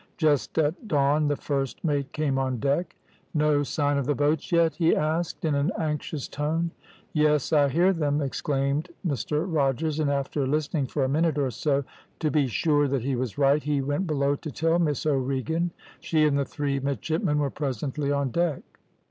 Just at dawn the first mate came on deck. "`No sign of the boats yet?' he asked, in an anxious tone. "`Yes, I hear them!' exclaimed Mr Rogers, and after listening for a minute or so to be sure that he was right, he went below to tell Miss O'Regan. She and the three midshipmen were presently on deck.